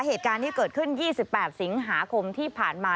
เหตุการณ์ที่เกิดขึ้น๒๘สิงหาคมที่ผ่านมา